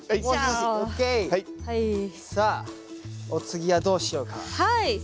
さあお次はどうしようか。